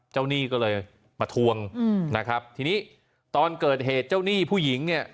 หนี้ก็เลยมาทวงนะครับทีนี้ตอนเกิดเหตุเจ้าหนี้ผู้หญิงเนี่ย